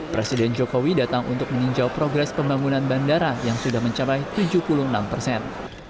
presiden jokowi datang untuk meninjau progres pembangunan bandara yang sudah mencapai tujuh puluh enam persen